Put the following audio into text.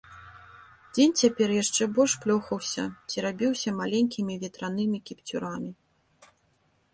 Дзень цяпер яшчэ больш плёхаўся, церабіўся маленькімі ветранымі кіпцюрамі.